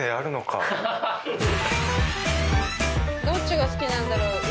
どっちが好きなんだろう？